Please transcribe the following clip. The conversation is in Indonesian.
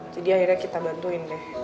jadi akhirnya kita bantuin deh